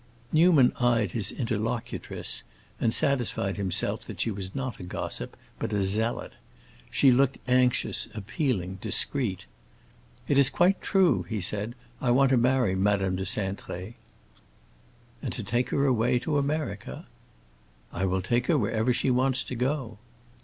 Newman eyed his interlocutress and satisfied himself that she was not a gossip, but a zealot; she looked anxious, appealing, discreet. "It is quite true," he said. "I want to marry Madame de Cintré." "And to take her away to America?" "I will take her wherever she wants to go."